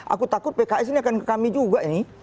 aku takut pks ini akan ke kami juga ini